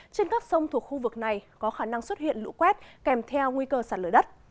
trên các sông thuộc khu vực này có khả năng xuất hiện lũ quét kèm theo nguy cơ sạt lở đất